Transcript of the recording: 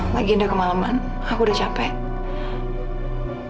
lagi udah kemaleman aku udah capek